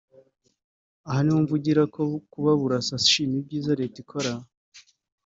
Aha ni ho mvugira ko kuba Burasa ashima ibyiza Leta ikora